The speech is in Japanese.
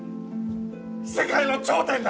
世界の頂点だ！